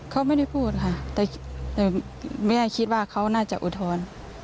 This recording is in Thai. เขาไม่ได้พูดค่ะแต่แม่คิดว่าเขาน่าจะอุทธรณ์